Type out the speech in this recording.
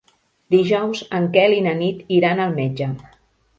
Dijous en Quel i na Nit iran al metge.